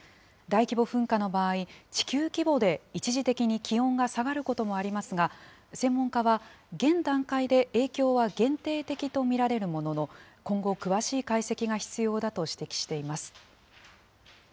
大規模噴火の場合、地球規模で一時的に気温が下がることもありますが、専門家は、現段階で影響は限定的と見られるものの、今後、詳しい解析が必要だと指摘しています。